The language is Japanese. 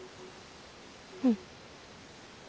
うん。